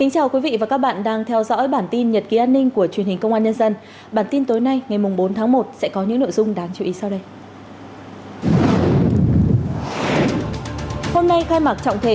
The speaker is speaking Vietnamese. các bạn hãy đăng ký kênh để ủng hộ kênh của chúng mình nhé